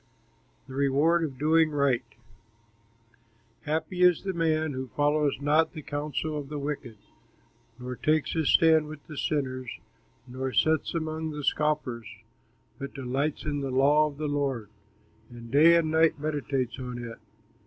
THE REWARD OF DOING RIGHT Happy is the man Who follows not the counsel of the wicked, Nor takes his stand with sinners, Nor sits among the scoffers, But delights in the law of the Lord, And day and night meditates on it.